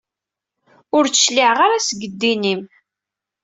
Ur d-cliɛeɣ ara seg ddin-im.